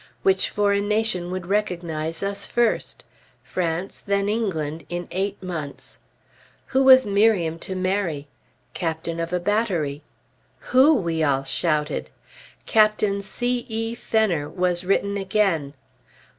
Which foreign nation would recognize us first? France, then England, in eight months. Who was Miriam to marry? Captain of a battery. "Who?" we all shouted. "Captain C. E. Fenner" was written again.